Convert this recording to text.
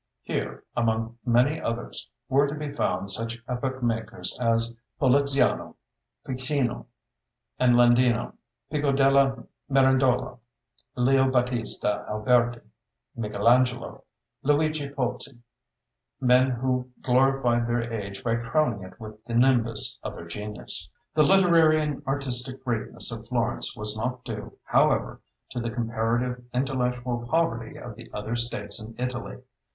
Here, among many others, were to be found such "epoch makers" as Poliziano, Ficino, and Landino, Pico della Mirandola, Leo Battista Alberti, Michelangelo, Luigi Pulci men who glorified their age by crowning it with the nimbus of their genius. The literary and artistic greatness of Florence was not due, however, to the comparative intellectual poverty of the other states in Italy.